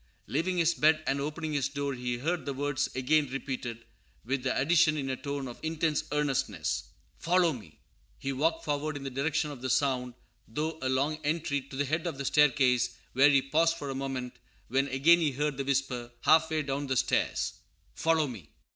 Leaving his bed and opening his door, he heard the words again repeated, with the addition, in a tone of intense earnestness, "Follow me!" He walked forward in the direction of the sound, through a long entry, to the head of the staircase, where he paused for a moment, when again he heard the whisper, half way down the stairs, "Follow me!"